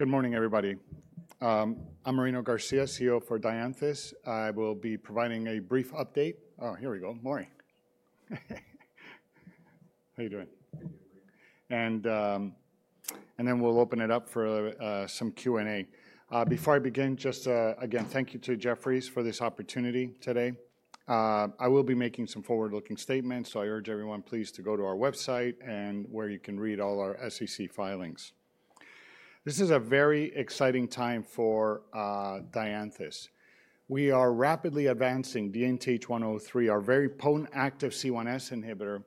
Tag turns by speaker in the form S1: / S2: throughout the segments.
S1: Good morning, everybody. I'm Marino Garcia, CEO for Dianthus. I will be providing a brief update. Oh, here we go. More. How are you doing? And then we'll open it up for some Q&A. Before I begin, just again, thank you to Jefferies for this opportunity today. I will be making some forward-looking statements, so I urge everyone please to go to our website and where you can read all our SEC filings. This is a very exciting time for Dianthus. We are rapidly advancing DNTH103, our very potent active C1s inhibitor,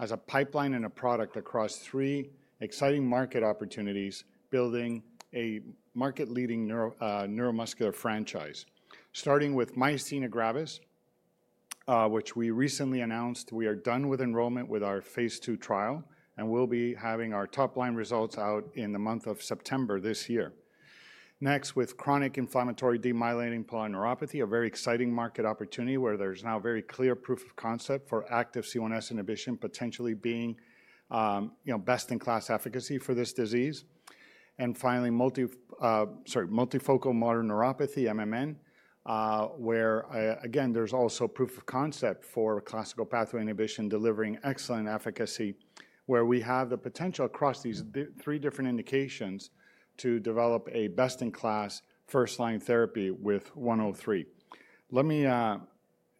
S1: as a pipeline and a product across three exciting market opportunities, building a market-leading neuromuscular franchise, starting with Myasthenia Gravis, which we recently announced we are done with enrollment with our phase II trial, and we'll be having our top-line results out in the month of September this year. Next, with Chronic Inflammatory Demyelinating Polyneuropathy, a very exciting market opportunity where there's now very clear proof of concept for active C1s inhibition potentially being best-in-class efficacy for this disease. Finally, Multifocal Motor Neuropathy MMN, where again, there's also proof of concept for classical pathway inhibition delivering excellent efficacy, where we have the potential across these three different indications to develop a best-in-class first-line therapy with 103. Let me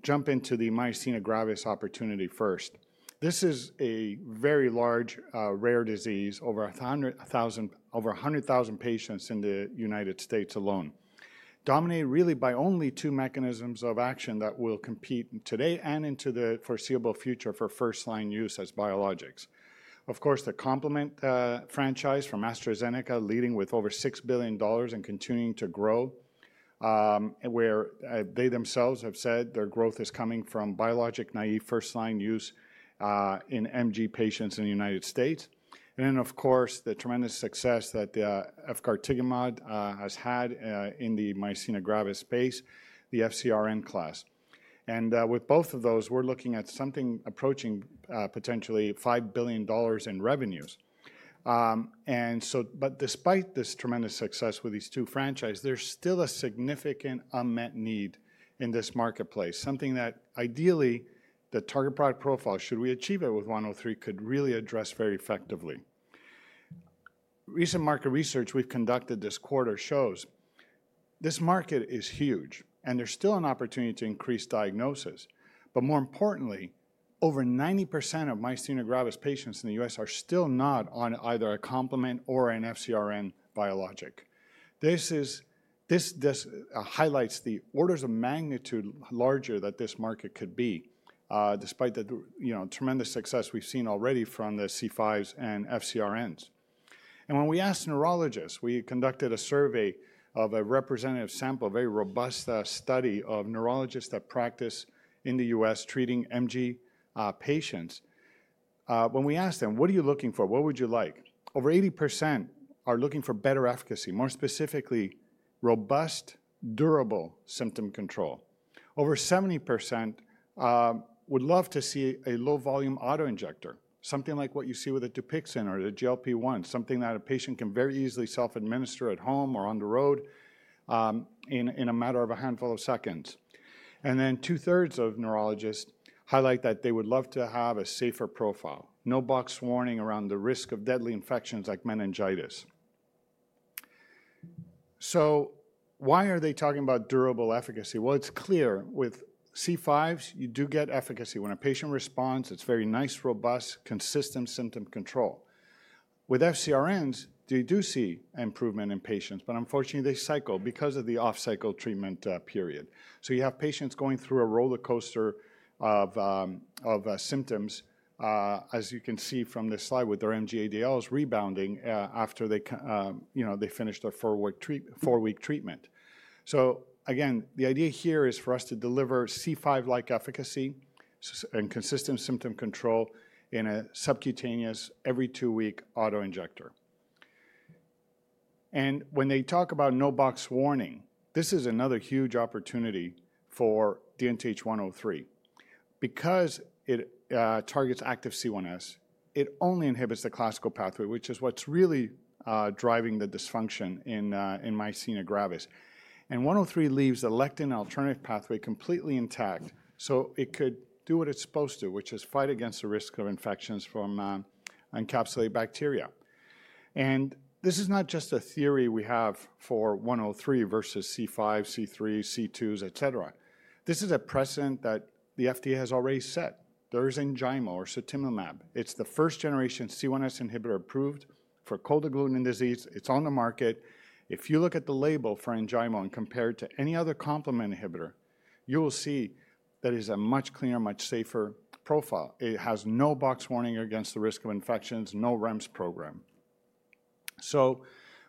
S1: jump into the Myasthenia Gravis opportunity first. This is a very large rare disease, over 100,000 patients in the United States alone, dominated really by only two mechanisms of action that will compete today and into the foreseeable future for first-line use as biologics. Of course, the complement franchise from AstraZeneca leading with over $6 billion and continuing to grow, where they themselves have said their growth is coming from biologic naive first-line use in MG patients in the United States. Of course, the tremendous success that Efgartigimod has had in the Myasthenia Gravis space, the FcRn class. With both of those, we're looking at something approaching potentially $5 billion in revenues. Despite this tremendous success with these two franchises, there's still a significant unmet need in this marketplace, something that ideally the Target Product Profile, should we achieve it with 103, could really address very effectively. Recent market research we've conducted this quarter shows this market is huge, and there's still an opportunity to increase diagnosis. More importantly, over 90% of Myasthenia Gravis patients in the U.S. are still not on either a complement or an FcRn biologic. This highlights the orders of magnitude larger that this market could be, despite the tremendous success we've seen already from the C5s and FcRns. When we asked neurologists, we conducted a survey of a representative sample, a very robust study of neurologists that practice in the U.S. treating MG patients. When we asked them, "What are you looking for? What would you like?" Over 80% are looking for better efficacy, more specifically robust, durable symptom control. Over 70% would love to see a low-volume autoinjector, something like what you see with DUPIXENT or the GLP-1, something that a patient can very easily self-administer at home or on the road in a matter of a handful of seconds. Two-thirds of neurologists highlight that they would love to have a safer profile, no box warning around the risk of deadly infections like meningitis. Why are they talking about durable efficacy? It is clear with C5s, you do get efficacy. When a patient responds, it is very nice, robust, consistent symptom control. With FCRNs, they do see improvement in patients, but unfortunately, they cycle because of the off-cycle treatment period. You have patients going through a roller coaster of symptoms, as you can see from this slide with their MG-ADLs rebounding after they finished their four-week treatment. The idea here is for us to deliver C5-like efficacy and consistent symptom control in a subcutaneous every two-week autoinjector. When they talk about no box warning, this is another huge opportunity for DNTH103. Because it targets active C1s, it only inhibits the classical pathway, which is what's really driving the dysfunction in Myasthenia Gravis. 103 leaves the lectin and alternative pathway completely intact, so it could do what it's supposed to, which is fight against the risk of infections from encapsulated bacteria. This is not just a theory we have for 103 versus C5, C3, C2s, et cetera. This is a precedent that the FDA has already set. There is ENJAYMO or sutimlimab. It's the first-generation C1s inhibitor approved for Cold Agglutinin Disease. It's on the market. If you look at the label for ENJAYMO and compare it to any other complement inhibitor, you will see that it is a much cleaner, much safer profile. It has no box warning against the risk of infections, no REMS program.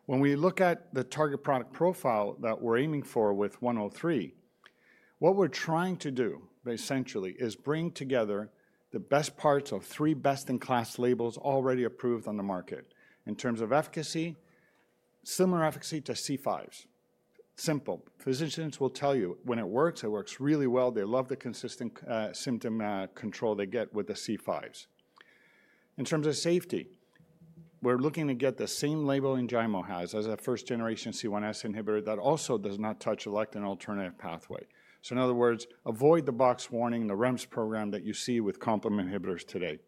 S1: When we look at the Target Product Profile that we're aiming for with 103, what we're trying to do essentially is bring together the best parts of three best-in-class labels already approved on the market in terms of efficacy, similar efficacy to C5s. Simple. Physicians will tell you when it works, it works really well. They love the consistent symptom control they get with the C5s. In terms of safety, we're looking to get the same label ENJAYMO has as a first-generation C1s inhibitor that also does not touch a lectin or alternative pathway. In other words, avoid the box warning, the REMS program that you see with complement inhibitors today.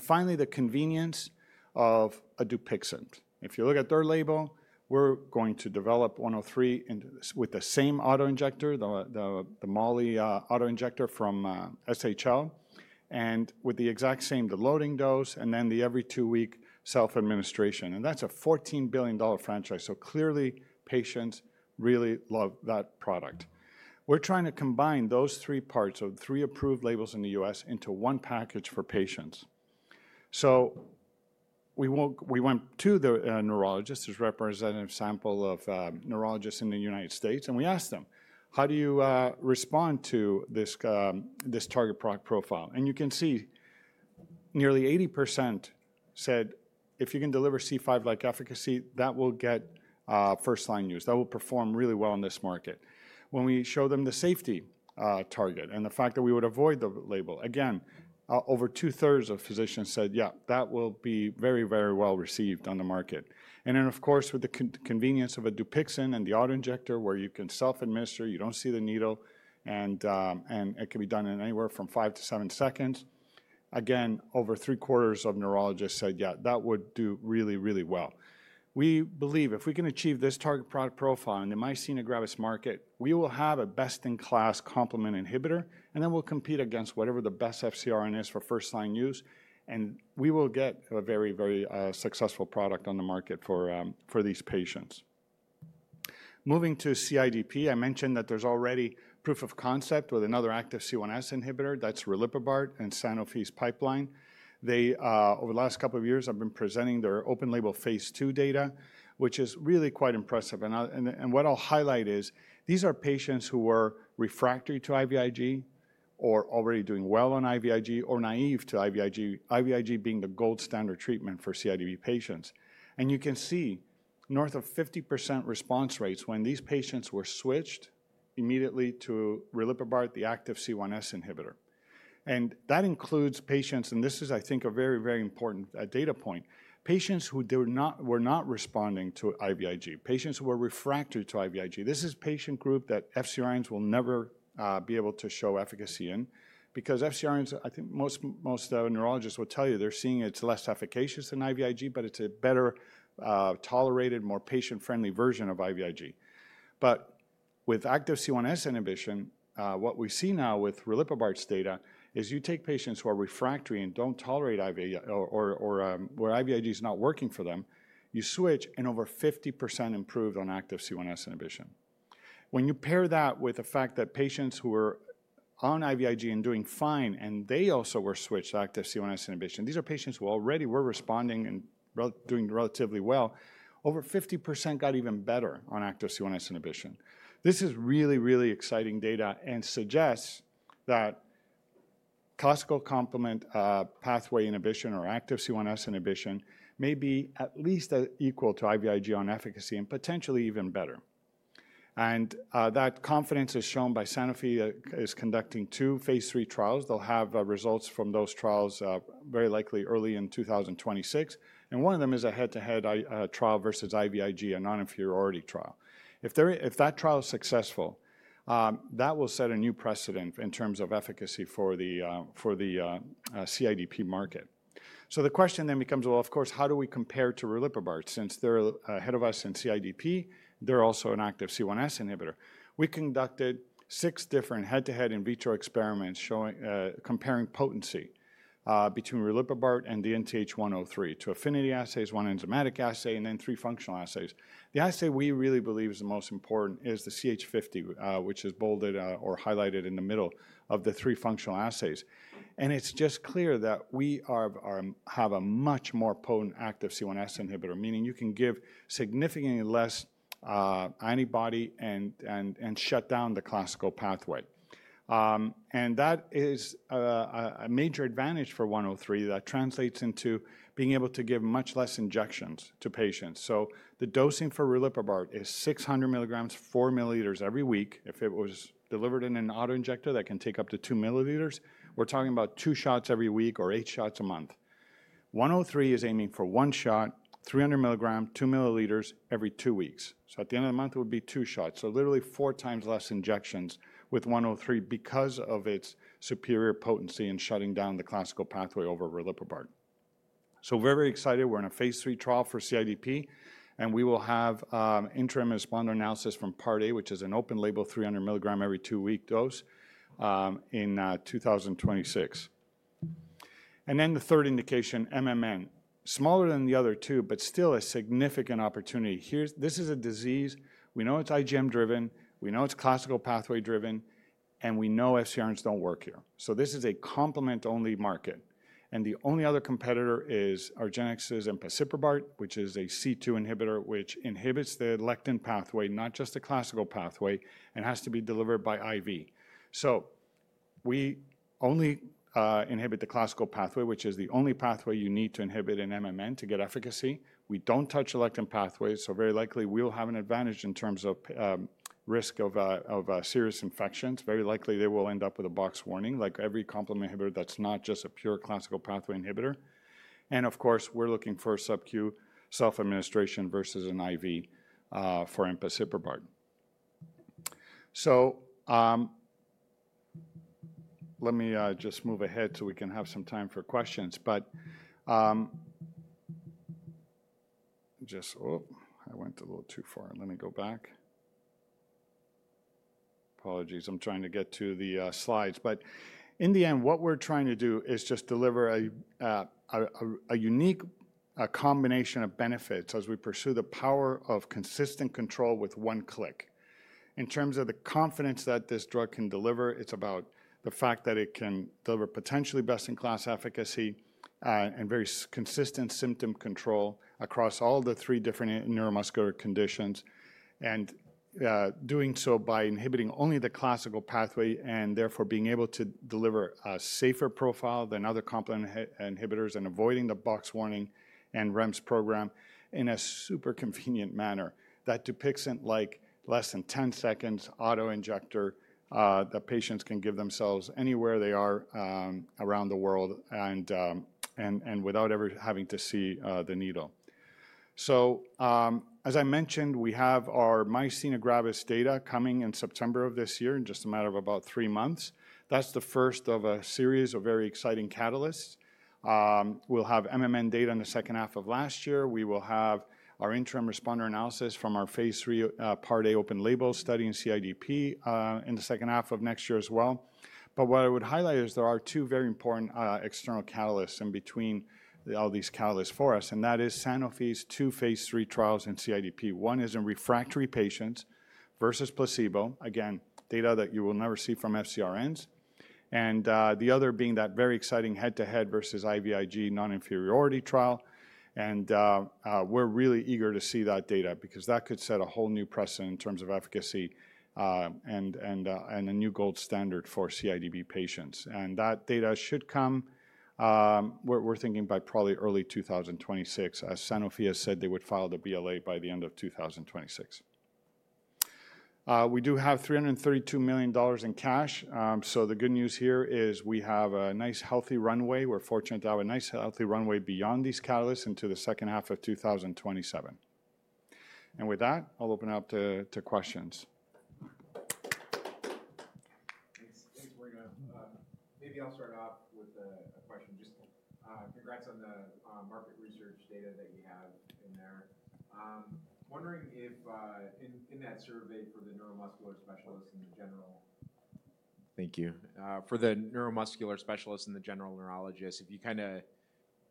S1: Finally, the convenience of a DUPIXENT. If you look at their label, we're going to develop 103 with the same autoinjector, the Molly autoinjector from SHL, and with the exact same loading dose and then the every two-week self-administration. That's a $14 billion franchise. Clearly, patients really love that product. We're trying to combine those three parts of three approved labels in the U.S. into one package for patients. We went to the neurologists, this representative sample of neurologists in the United States, and we asked them, "How do you respond to this Target Product Profile?" You can see nearly 80% said, "If you can deliver C5-like efficacy, that will get first-line use. That will perform really well in this market." When we showed them the safety target and the fact that we would avoid the label, again, over two-thirds of physicians said, "Yeah, that will be very, very well received on the market." Of course, with the convenience of a DUPIXENT and the autoinjector, where you can self-administer, you do not see the needle, and it can be done in anywhere from five to seven seconds. Again, over three-quarters of neurologists said, "Yeah, that would do really, really well." We believe if we can achieve this Target Product Profile in the Myasthenia Gravis market, we will have a best-in-class complement inhibitor, and then we will compete against whatever the best FcRn is for first-line use, and we will get a very, very successful product on the market for these patients. Moving to CIDP, I mentioned that there's already proof of concept with another active C1s inhibitor. That's Rilepabart in Sanofi's pipeline. Over the last couple of years, they have been presenting their open-label phase II data, which is really quite impressive. What I'll highlight is these are patients who were refractory to IVIG or already doing well on IVIG or naive to IVIG, IVIG being the gold standard treatment for CIDP patients. You can see north of 50% response rates when these patients were switched immediately to Rilepabart, the active C1s inhibitor. That includes patients, and this is, I think, a very, very important data point, patients who were not responding to IVIG, patients who were refractory to IVIG. This is a patient group that FcRns will never be able to show efficacy in because FcRns, I think most neurologists will tell you they're seeing it's less efficacious than IVIG, but it's a better tolerated, more patient-friendly version of IVIG. With active C1s inhibition, what we see now with Rilepabart's data is you take patients who are refractory and don't tolerate IVIG or where IVIG is not working for them, you switch and over 50% improved on active C1s inhibition. When you pair that with the fact that patients who were on IVIG and doing fine and they also were switched to active C1s inhibition, these are patients who already were responding and doing relatively well, over 50% got even better on active C1s inhibition. This is really, really exciting data and suggests that classical complement pathway inhibition or active C1s inhibition may be at least equal to IVIG on efficacy and potentially even better. That confidence is shown by Sanofi is conducting two phase III trials. They'll have results from those trials very likely early in 2026. One of them is a head-to-head trial versus IVIG, a non-inferiority trial. If that trial is successful, that will set a new precedent in terms of efficacy for the CIDP market. The question then becomes, of course, how do we compare to Rilepabart since they're ahead of us in CIDP, they're also an active C1s inhibitor? We conducted six different head-to-head in vitro experiments comparing potency between Rilepabart and DNTH103: two affinity assays, one enzymatic assay, and then three functional assays. The assay we really believe is the most important is the CH50, which is bolded or highlighted in the middle of the three functional assays. It is just clear that we have a much more potent active C1s inhibitor, meaning you can give significantly less antibody and shut down the classical pathway. That is a major advantage for 103 that translates into being able to give much less injections to patients. The dosing for Rilepabart is 600 milligrams, 4 milliliters every week. If it was delivered in an autoinjector, that can take up to 2 milliliters. We are talking about two shots every week or eight shots a month. 103 is aiming for one shot, 300 milligrams, 2 milliliters every two weeks. At the end of the month, it would be two shots. Literally four times less injections with 103 because of its superior potency in shutting down the classical pathway over Rilepabart. We're very excited. We're in a phase III trial for CIDP, and we will have interim responder analysis from Part A, which is an open-label 300 milligram every two-week dose in 2026. The third indication, MMN, is smaller than the other two, but still a significant opportunity. This is a disease we know is IgM-driven, we know is classical pathway-driven, and we know FcRns don't work here. This is a complement-only market. The only other competitor is Argenx's empasiprubart, which is a C2 inhibitor that inhibits the lectin pathway, not just the classical pathway, and has to be delivered by IV. We only inhibit the classical pathway, which is the only pathway you need to inhibit in MMN to get efficacy. We do not touch a lectin pathway, so very likely we will have an advantage in terms of risk of serious infections. Very likely they will end up with a box warning like every complement inhibitor that is not just a pure classical pathway inhibitor. Of course, we are looking for subcutaneous self-administration versus an IV for empasiprubart. Let me just move ahead so we can have some time for questions. Oh, I went a little too far. Let me go back. Apologies. I am trying to get to the slides. In the end, what we are trying to do is just deliver a unique combination of benefits as we pursue the power of consistent control with one click. In terms of the confidence that this drug can deliver, it's about the fact that it can deliver potentially best-in-class efficacy and very consistent symptom control across all the three different neuromuscular conditions, and doing so by inhibiting only the classical pathway and therefore being able to deliver a safer profile than other complement inhibitors and avoiding the box warning and REMS program in a super convenient manner. That DUPIXENT-like less than 10-second autoinjector that patients can give themselves anywhere they are around the world and without ever having to see the needle. As I mentioned, we have our Myasthenia Gravis data coming in September of this year in just a matter of about three months. That's the first of a series of very exciting catalysts. We'll have MMN data in the second half of last year. We will have our interim responder analysis from our phase III Part A open-label study in CIDP in the second half of next year as well. What I would highlight is there are two very important external catalysts in between all these catalysts for us, and that is Sanofi's two phase III trials in CIDP. One is in refractory patients versus placebo, again, data that you will never see from FcRns, and the other being that very exciting head-to-head versus IVIG non-inferiority trial. We are really eager to see that data because that could set a whole new precedent in terms of efficacy and a new gold standard for CIDP patients. That data should come, we are thinking by probably early 2026. As Sanofi has said, they would file the BLA by the end of 2026. We do have $332 million in cash. The good news here is we have a nice healthy runway. We're fortunate to have a nice healthy runway beyond these catalysts into the second half of 2027. With that, I'll open it up to questions. Thanks, Marino. Maybe I'll start off with a question. Just congrats on the market research data that you have in there. Wondering if in that survey for the neuromuscular specialists in the general. Thank you. For the neuromuscular specialists and the general neurologists, if you kind of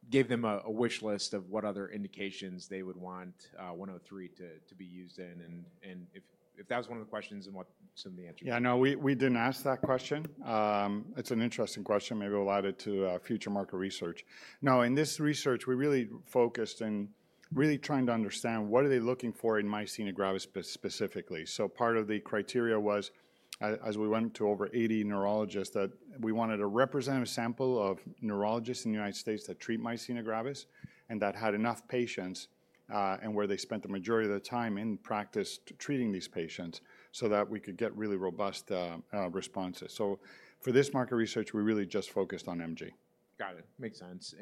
S1: gave them a wish list of what other indications they would want 103 to be used in, and if that was one of the questions and what some of the answer was. Yeah, no, we didn't ask that question. It's an interesting question. Maybe we'll add it to future market research. No, in this research, we really focused and really tried to understand what are they looking for in Myasthenia Gravis specifically. Part of the criteria was, as we went to over 80 neurologists, that we wanted a representative sample of neurologists in the United States that treat Myasthenia Gravis and that had enough patients and where they spent the majority of their time in practice treating these patients so that we could get really robust responses. For this market research, we really just focused on MG. Got it. Makes sense.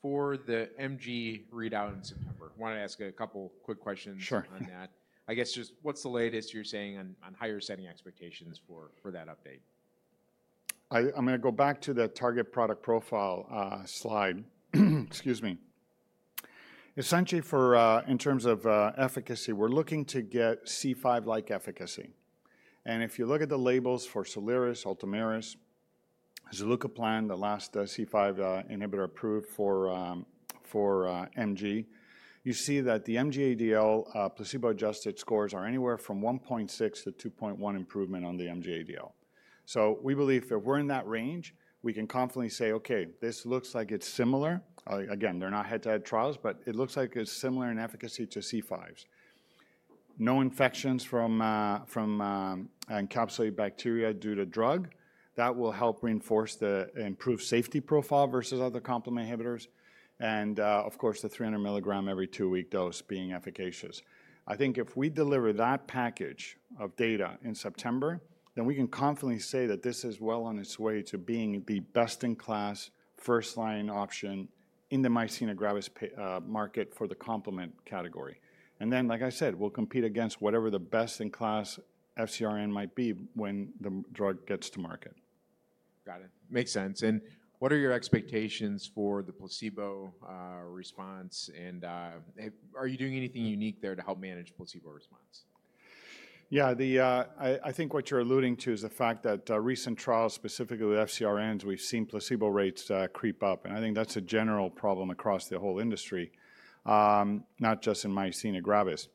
S1: For the MG readout in September, I wanted to ask a couple of quick questions on that. Sure. I guess just what's the latest you're seeing on higher-setting expectations for that update? I'm going to go back to the Target Product Profile slide. Excuse me. Essentially, in terms of efficacy, we're looking to get C5-like efficacy. And if you look at the labels for Soliris, Ultomiris, Zilucoplan, the last C5 inhibitor approved for MG, you see that the MG-ADL placebo-adjusted scores are anywhere from 1.6-2.1 improvement on the MG-ADL. So we believe if we're in that range, we can confidently say, "Okay, this looks like it's similar." Again, they're not head-to-head trials, but it looks like it's similar in efficacy to C5s. No infections from encapsulated bacteria due to drug. That will help reinforce the improved safety profile versus other complement inhibitors. And of course, the 300 milligram every two-week dose being efficacious. I think if we deliver that package of data in September, then we can confidently say that this is well on its way to being the best-in-class first-line option in the Myasthenia Gravis market for the complement category. Like I said, we'll compete against whatever the best-in-class FcRn might be when the drug gets to market. Got it. Makes sense. What are your expectations for the placebo response? Are you doing anything unique there to help manage placebo response? Yeah, I think what you're alluding to is the fact that recent trials, specifically with FcRns, we've seen placebo rates creep up. I think that's a general problem across the whole industry, not just in Myasthenia Gravis.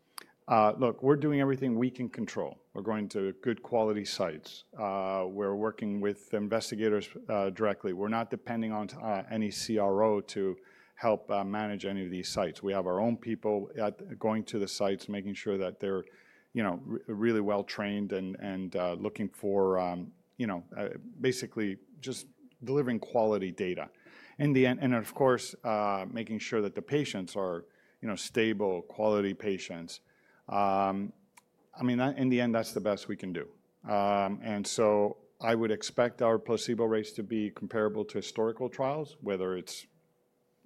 S1: Look, we're doing everything we can control. We're going to good quality sites. We're working with investigators directly. We're not depending on any CRO to help manage any of these sites. We have our own people going to the sites, making sure that they're really well-trained and looking for basically just delivering quality data. Of course, making sure that the patients are stable, quality patients. I mean, in the end, that's the best we can do. I would expect our placebo rates to be comparable to historical trials, whether it's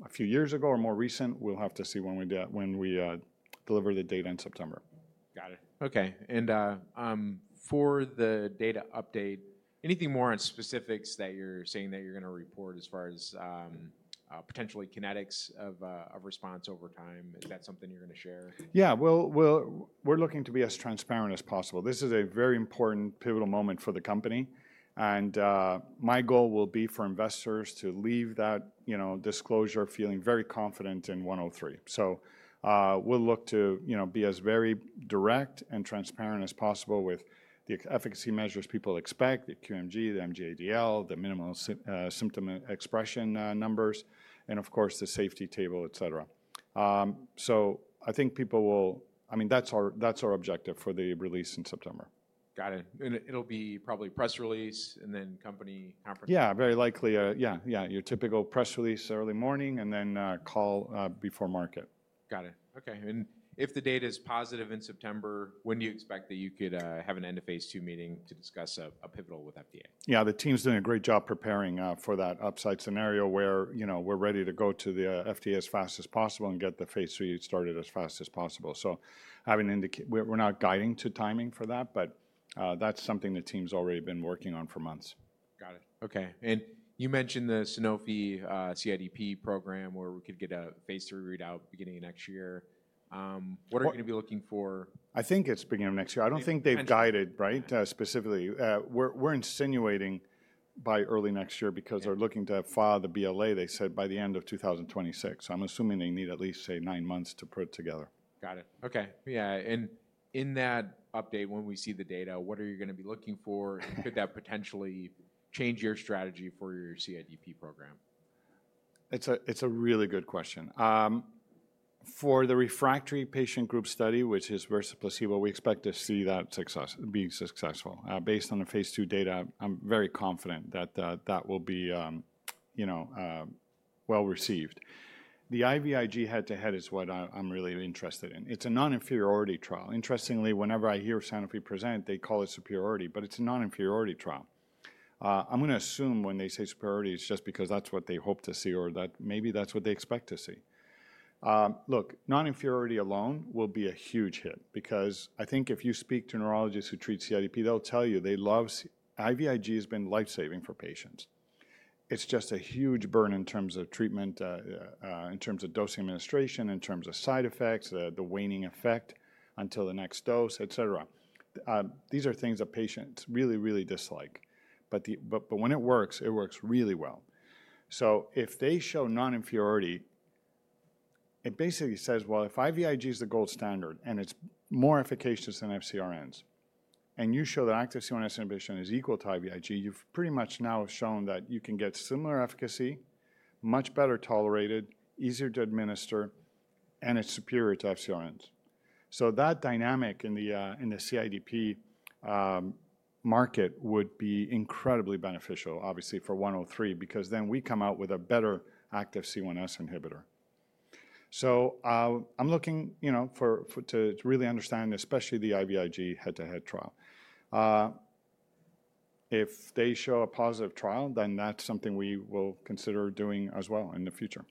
S1: a few years ago or more recent. We'll have to see when we deliver the data in September. Got it. Okay. For the data update, anything more on specifics that you're saying that you're going to report as far as potentially kinetics of response over time? Is that something you're going to share? Yeah, we're looking to be as transparent as possible. This is a very important pivotal moment for the company. My goal will be for investors to leave that disclosure feeling very confident in 103. We'll look to be as very direct and transparent as possible with the efficacy measures people expect, the QMG, the MG-ADL, the minimal symptom expression numbers, and of course, the safety table, et cetera. I think people will, I mean, that's our objective for the release in September. Got it. And it'll be probably press release and then company conference? Yeah, very likely. Yeah, your typical press release early morning and then call before market. Got it. Okay. If the data is positive in September, when do you expect that you could have an end-of-phase II meeting to discuss a pivotal with FDA? Yeah, the team's doing a great job preparing for that upside scenario where we're ready to go to the FDA as fast as possible and get the phase III started as fast as possible. We're not guiding to timing for that, but that's something the team's already been working on for months. Got it. Okay. You mentioned the Sanofi CIDP program where we could get a phase III readout beginning of next year. What are we going to be looking for? I think it's beginning of next year. I don't think they've guided, right, specifically. We're insinuating by early next year because they're looking to file the BLA, they said, by the end of 2026. So I'm assuming they need at least, say, nine months to put it together. Got it. Okay. Yeah. In that update, when we see the data, what are you going to be looking for? Could that potentially change your strategy for your CIDP program? It's a really good question. For the refractory patient group study, which is versus placebo, we expect to see that being successful. Based on the phase II data, I'm very confident that that will be well received. The IVIG head-to-head is what I'm really interested in. It's a non-inferiority trial. Interestingly, whenever I hear Sanofi present, they call it superiority, but it's a non-inferiority trial. I'm going to assume when they say superiority, it's just because that's what they hope to see or that maybe that's what they expect to see. Look, non-inferiority alone will be a huge hit because I think if you speak to neurologists who treat CIDP, they'll tell you they love IVIG has been lifesaving for patients. It's just a huge burn in terms of treatment, in terms of dose administration, in terms of side effects, the waning effect until the next dose, et cetera. These are things that patients really, really dislike. When it works, it works really well. If they show non-inferiority, it basically says, "If IVIG is the gold standard and it's more efficacious than FcRns and you show that active C1s inhibition is equal to IVIG, you've pretty much now shown that you can get similar efficacy, much better tolerated, easier to administer, and it's superior to FcRns." That dynamic in the CIDP market would be incredibly beneficial, obviously, for 103 because then we come out with a better active C1s inhibitor. I'm looking to really understand, especially the IVIG head-to-head trial. If they show a positive trial, then that's something we will consider doing as well in the future.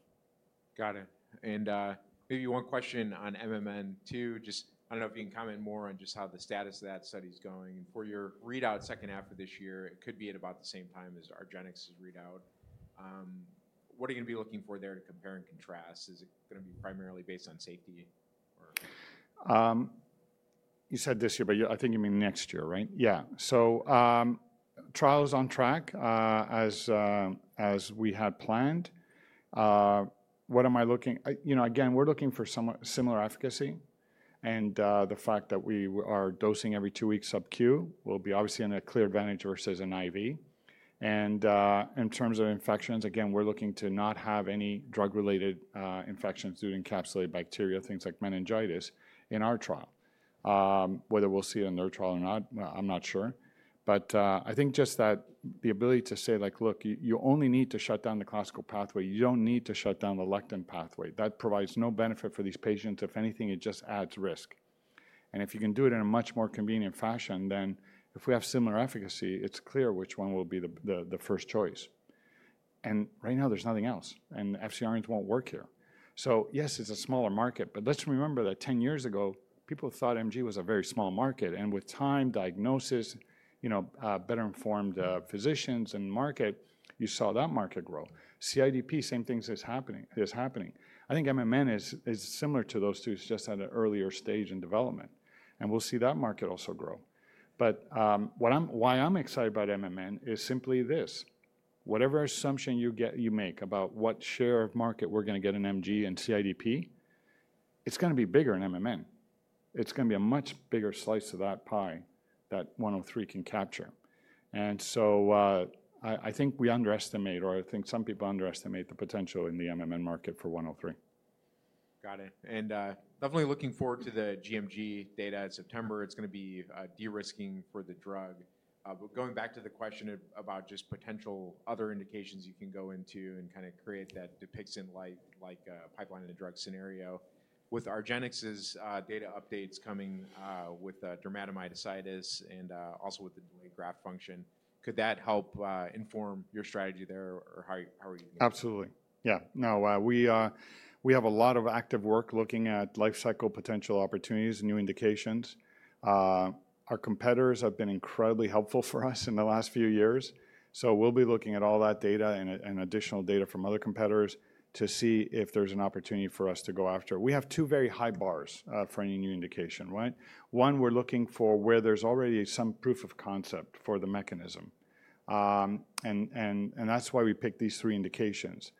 S1: Got it. Maybe one question on MMN too. I do not know if you can comment more on just how the status of that study is going. For your readout second half of this year, it could be at about the same time as Argenx's readout. What are you going to be looking for there to compare and contrast? Is it going to be primarily based on safety? You said this year, but I think you mean next year, right? Yeah. The trial is on track as we had planned. What am I looking? Again, we're looking for similar efficacy. The fact that we are dosing every two weeks sub-Q will be obviously a clear advantage versus an IV. In terms of infections, again, we're looking to not have any drug-related infections due to encapsulated bacteria, things like meningitis in our trial. Whether we'll see it in their trial or not, I'm not sure. I think just that the ability to say, "Look, you only need to shut down the classical pathway. You don't need to shut down the lectin pathway." That provides no benefit for these patients. If anything, it just adds risk.
S2: If you can do it in a much more convenient fashion, then if we have similar efficacy, it's clear which one will be the first choice. Right now, there's nothing else. FcRns won't work here. Yes, it's a smaller market, but let's remember that 10 years ago, people thought MG was a very small market. With time, diagnosis, better-informed physicians and market, you saw that market grow. CIDP, same thing is happening. I think MMN is similar to those two. It's just at an earlier stage in development. We'll see that market also grow. Why I'm excited about MMN is simply this. Whatever assumption you make about what share of market we're going to get in MG and CIDP, it's going to be bigger in MMN. It's going to be a much bigger slice of that pie that 103 can capture. I think we underestimate or I think some people underestimate the potential in the MMN market for 103. Got it. I am definitely looking forward to the GMG data in September. It is going to be de-risking for the drug. Going back to the question about just potential other indications you can go into and kind of create that DUPIXENT-like pipeline in the drug scenario, with Argenx's data updates coming with dermatomyositis and also with the delayed graft function, could that help inform your strategy there or how are you going to? Absolutely. Yeah. No, we have a lot of active work looking at life cycle potential opportunities and new indications. Our competitors have been incredibly helpful for us in the last few years. We will be looking at all that data and additional data from other competitors to see if there's an opportunity for us to go after. We have two very high bars for any new indication, right? One, we're looking for where there's already some proof of concept for the mechanism. That is why we picked these three indications.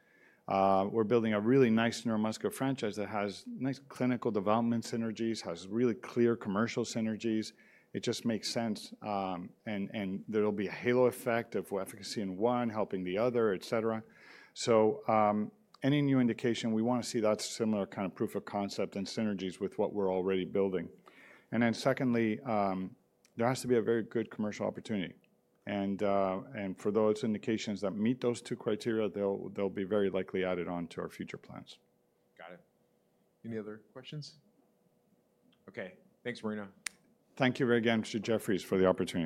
S2: We're building a really nice neuromuscular franchise that has nice clinical development synergies, has really clear commercial synergies. It just makes sense. There will be a halo effect of efficacy in one, helping the other, et cetera. Any new indication, we want to see that similar kind of proof of concept and synergies with what we're already building. There has to be a very good commercial opportunity. For those indications that meet those two criteria, they'll be very likely added on to our future plans. Got it. Any other questions? Okay. Thanks, Marino. Thank you very much again, Mr. Jefferies, for the opportunity.